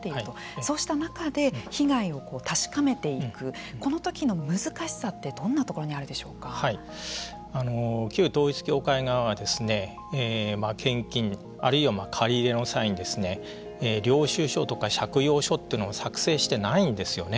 そうした中で被害を確かめていくこの時の難しさって旧統一教会側は献金、あるいは借り入れの際に領収書とか借用書というのを作成してないんですよね。